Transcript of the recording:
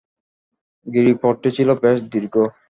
গিরিপথটি ছিল বেশ দীর্ঘ।